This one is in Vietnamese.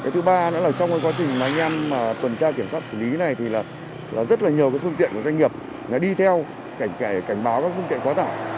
thứ ba nữa là trong quá trình anh em tuần tra kiểm soát xử lý này thì rất là nhiều phương tiện doanh nghiệp đi theo cảnh báo các phương tiện quá tải